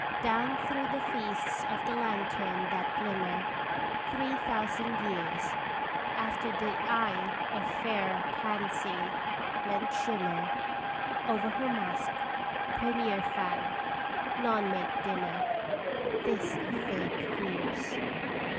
Down through the Feasts of the Lantern that glimmer Three thousand years, After the eye of fair Kansi lent shimmer Over her masque, premier fan, none make dimmer This of vague fears